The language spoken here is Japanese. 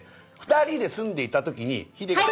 ２人で住んでいた時にヒデが。